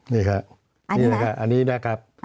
นี่ค่ะอันนี้นะครับ